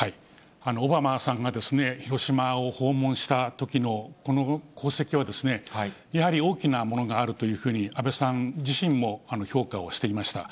オバマさんが広島を訪問したときのこの功績は、やはり大きなものがあるというふうに、安倍さん自身も評価をしていました。